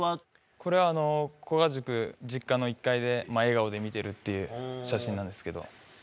これは、古賀塾、実家の１階で笑顔で見ているという写真なんですけど。